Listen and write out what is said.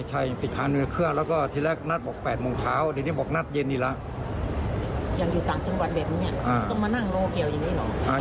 ใช่ติดคล้างหนึ่งในเครื่องแล้วก็ทีแรกนัดบอกแปดเมื่อเช้าเดี๋ยวนี้บอกนัดเย็นอีกแล้ว